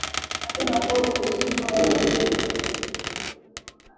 Basi utakuwa mkosefu wa fadhila bila kujumuisha majina kama Patrick Balisidya